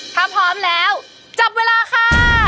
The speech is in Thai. ถ้าพร้อมแล้วจับเวลาค่ะ